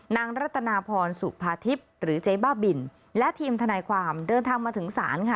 รัตนาพรสุภาทิพย์หรือเจ๊บ้าบินและทีมทนายความเดินทางมาถึงศาลค่ะ